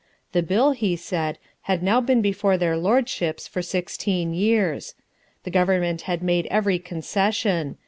The Bill, he said, had now been before their Lordships for sixteen years. The Government had made every concession.